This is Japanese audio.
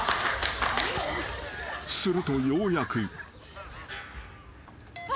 ［するとようやく］